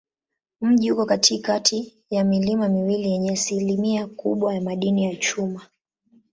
Mji uko katikati ya milima miwili yenye asilimia kubwa ya madini ya chuma.